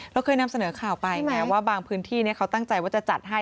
เราเคยนำเสนอข่าวไปไงว่าบางพื้นที่เขาตั้งใจว่าจะจัดให้